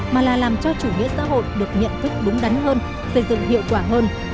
mà là làm cho chủ nghĩa xã hội được nhận thức đúng đắn hơn xây dựng hiệu quả hơn